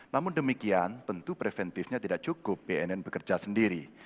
namun demikian tentu preventifnya tidak cukup bnn bekerja sendiri